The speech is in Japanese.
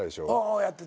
やってた。